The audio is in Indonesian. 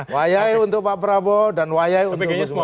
wayai untuk pak prabowo dan wayai untuk gus muhay